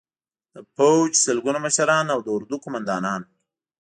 د پوځ سلګونه مشران او د اردو قومندانان